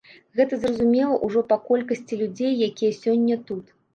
Гэта зразумела ўжо па колькасці людзей, якія сёння тут.